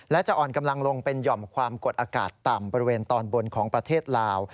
และจะอ่อนกำลังลงเป็นหย่อมความกดอากาศต่ำบริเวณตอนบนของประเทศลาว